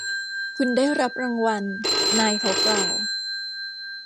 คุณได้รับรางวัลนายเขากล่าว